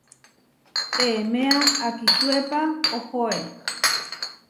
Teeméa akisuépa ohoé.